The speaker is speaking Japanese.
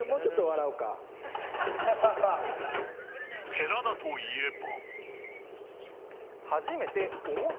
寺田といえば。